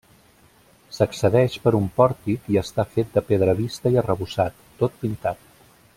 S'accedeix per un pòrtic i està fet de pedra vista i arrebossat, tot pintat.